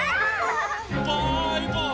バイバーイ！